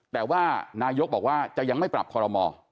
แต่ว่านายกบอกว่าจะยังไม่ปรับคอรมอ